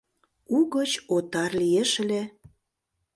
Угыч отар лиеш ыле...